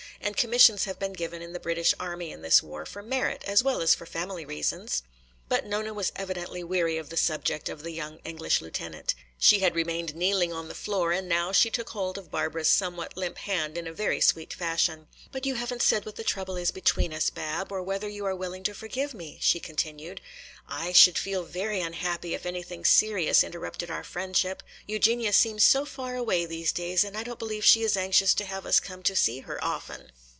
And commissions have been given in the British army in this war for merit as well as for family reasons." But Nona was evidently weary of the subject of the young English lieutenant. She had remained kneeling on the floor and she now took hold of Barbara's somewhat limp hand in a very sweet fashion. "But you haven't said what the trouble is between us, Bab, or whether you are willing to forgive me?" she continued. "I should feel very unhappy if anything serious interrupted our friendship. Eugenia seems so far away these days and I don't believe she is anxious to have us come to see her often."